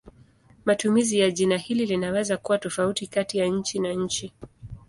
Matumizi ya jina hili linaweza kuwa tofauti kati ya nchi na nchi.